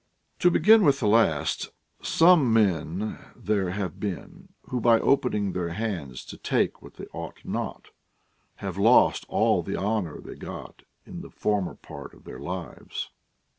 To begin with the last : some men there have been, who, by opening their hands to take what they ought not, have lost all the honor they got in the former part of their lives.